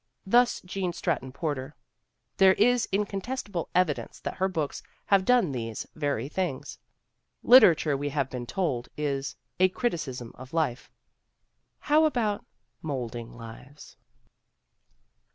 ' Thus Gene Stratton Porter. There is incontest able evidence that her books have done these very things. I Literature, we have been tolc^ is "a criticism of life." How about molding lives?